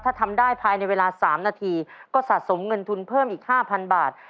ถ้าทำได้ภายในเวลา๓นาทีก็สะสมเงินทุนเพิ่มอีก๕๐๐บาท